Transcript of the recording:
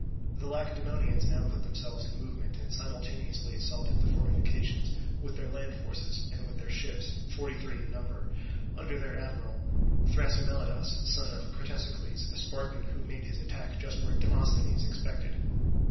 The Lacedaemonians now put themselves in movement and simultaneously assaulted the fortification with their land forces and with their ships, forty three in number, under their admiral, Thrasymelidas, son of Cratesicles, a Spartan, who made his attack just where Demosthenes expected.